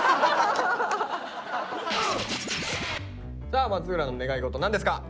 さあ松浦の願いごと何ですか？